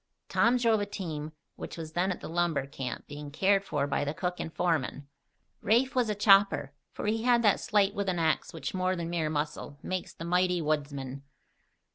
Tom drove a team which was then at the lumber camp, being cared for by the cook and foreman; Rafe was a chopper, for he had that sleight with an ax which, more than mere muscle, makes the mighty woodsman.